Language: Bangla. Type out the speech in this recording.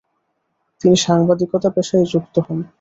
তিনি সাংবাদিকতা পেশায় যুক্ত হন।